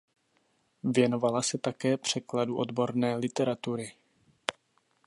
Věnovala se také překladu odborné literatury.